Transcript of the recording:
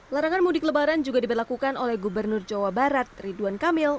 larangan mudik lebaran juga diberlakukan oleh gubernur jawa barat ridwan kamil